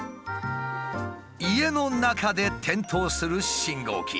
家の中で点灯する信号機。